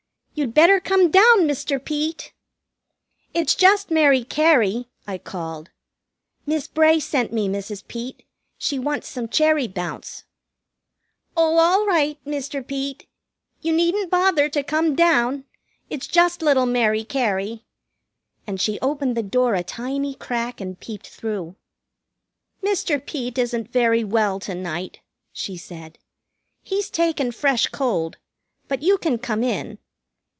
You'd better come down, Mr. Peet!" "It's just Mary Cary!" I called. "Miss Bray sent me, Mrs. Peet. She wants some cherry bounce." "Oh, all right, Mr. Peet. You needn't bother to come down. It's just little Mary Cary." And she opened the door a tiny crack and peeped through. "Mr. Peet isn't very well to night," she said. "He's taken fresh cold. But you can come in."